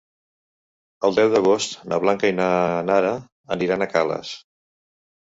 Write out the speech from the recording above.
El deu d'agost na Blanca i na Nara aniran a Calles.